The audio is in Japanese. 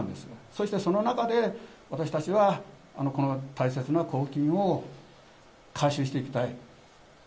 そしてその中で、私たちはこの大切な公金を回収していきたい。